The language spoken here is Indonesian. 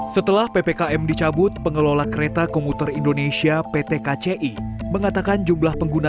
setelah ppkm dicabut pengelola kereta komuter indonesia pt kci mengatakan jumlah pengguna